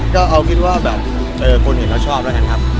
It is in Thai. ก็เอาคิดว่าแบบคนอื่นเขาชอบแล้วกันครับ